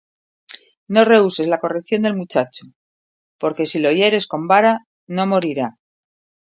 No rehuses la corrección del muchacho: Porque si lo hirieres con vara, no morirá.